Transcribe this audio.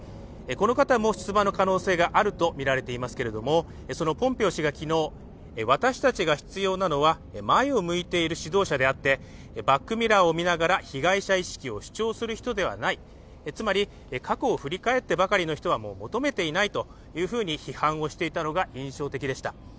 この方も出馬の可能性があるとみられていますけれどもそのポンペオ氏が昨日私たちが必要なのは前を向いている指導者であってバックミラーを見ながら被害者意識を主張する人ではない、つまり過去を振り返ってばかりの人は求めていないというふうに批判をしていたのが印象的でした。